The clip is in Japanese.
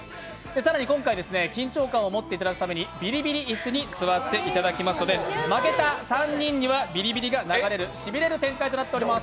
更に今回、緊張感を持っていただくためにビリビリ椅子に座っていただきますので負けた３人には、ビリビリが流れるしびれる展開となっております。